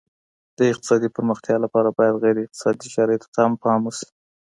د اقتصادي پرمختيا لپاره بايد غیر اقتصادي شرايطو ته هم پام وسي.